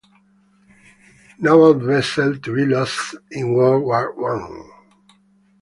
Naval vessel to be lost in World War One.